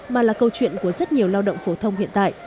mà là câu chuyện của rất nhiều lao động phổ thông hiện tại